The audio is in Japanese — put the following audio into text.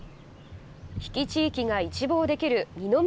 比企地域が一望できる二ノ